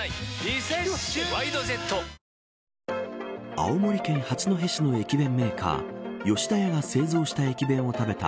青森県八戸市の駅弁メーカー吉田屋が製造した駅弁を食べた